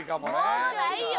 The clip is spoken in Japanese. もうないよ。